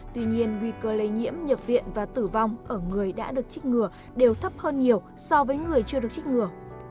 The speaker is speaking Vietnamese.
tuy nhiên nguy cơ lây nhiễm nhập viện và tử vong ở người đã được trích ngừa đều thấp hơn nhiều so với người chưa được trích ngừa